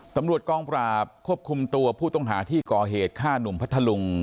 ตำรวจกองปราบควบคุมตัวผู้ต้องหาที่ก่อเหตุฆ่าหนุ่มพัทธลุง